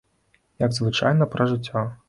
Як звычайна, пра жыццё.